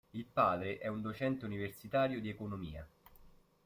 Il padre è un docente universitario di economia.